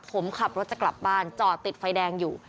ผมขับรถจะกลับบ้านจอดติดไฟแดงอยู่